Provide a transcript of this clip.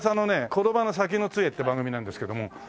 「転ばぬ先の杖」って番組なんですけども。